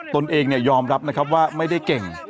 ตนเองยอมรับนะครับว่าไม่ได้เก่ง